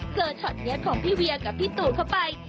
ช็อตนี้ของพี่เวียกับพี่ตูนเข้าไป